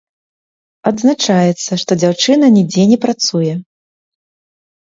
Адзначаецца, што дзяўчына нідзе не працуе.